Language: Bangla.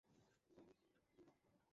এমনকি গতকালও দুইজন লোক এসেছিল।